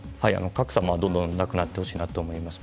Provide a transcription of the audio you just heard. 格差がどんどんなくなってほしいなと思います。